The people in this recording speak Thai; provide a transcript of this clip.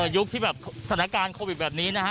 ยุคที่สรรคัลโควิดแบบนี้นะคะ